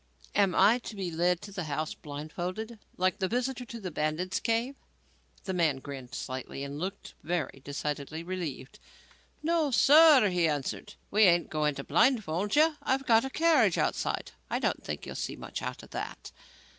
Am I to be led to the house blindfolded, like the visitor to the bandit's cave?" The man grinned slightly and looked very decidedly relieved. "No, sir," he answered; "we ain't going to blindfold you. I've got a carriage outside. I don't think you'll see much out of that."